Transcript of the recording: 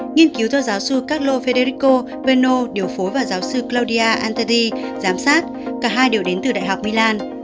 nghiên cứu do giáo sư carlo federico beno điều phối vào giáo sư claudia antetti giám sát cả hai đều đến từ đại học milan